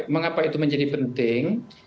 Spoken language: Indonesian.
mengapa itu menjadi penting